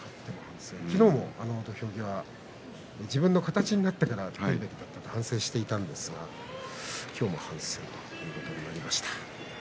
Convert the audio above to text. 昨日の土俵際自分の形になってからいけなかったと反省していたんですが今日も反省ということになりました。